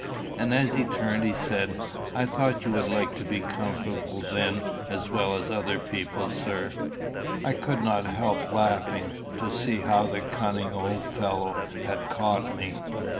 And as he turned he said, "I thought you would like to be comfortable then as well as other people, sir." I could not help laughing to see how the cunning old fellow had caught me.